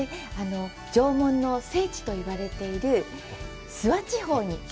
縄文の聖地といわれている諏訪地方に。